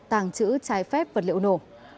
tàng trữ trái phép vật liệu nổ